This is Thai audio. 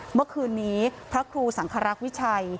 เมื่อคืนนี้พระครูสังครักษ์วิชัย